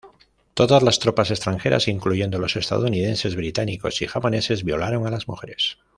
Todas las tropas extranjeras, incluyendo los estadounidenses, británicos y japoneses, violaron a las mujeres.